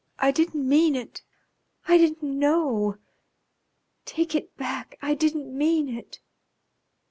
I didn't mean it. I didn't know.... Take it back. I didn't mean it."